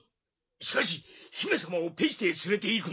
しかし姫様をペジテへ連れていくなど。